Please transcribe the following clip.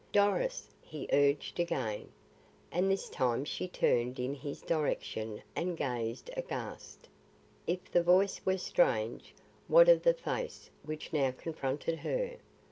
"Doris," he urged again, and this time she turned in his direction and gazed, aghast. If the voice were strange, what of the face which now confronted her.